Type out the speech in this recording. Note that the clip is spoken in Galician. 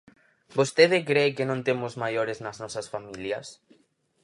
¿Vostede cre que non temos maiores nas nosas familias?